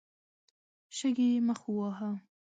شګې يې مخ وواهه.